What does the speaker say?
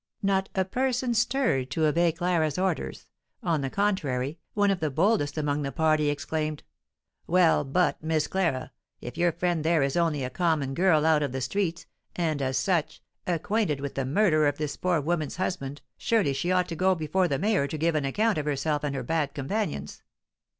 Not a person stirred to obey Clara's orders; on the contrary, one of the boldest among the party exclaimed: "Well, but, Miss Clara, if your friend there is only a common girl out of the streets, and, as such, acquainted with the murderer of this poor woman's husband, surely she ought to go before the mayor to give an account of herself and her bad companions!"